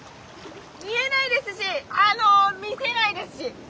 見えないですしあの見せないですし。